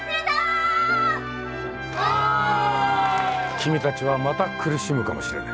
君たちはまた苦しむかもしれない。